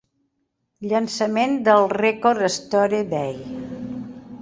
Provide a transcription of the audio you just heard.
Llançament del "Record Store Day".